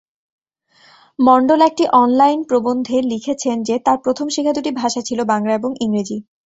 মন্ডল একটি অনলাইন প্রবন্ধে লিখেছেন যে তাঁর প্রথম শেখা দুটি ভাষা ছিল বাংলা এবং ইংরেজি।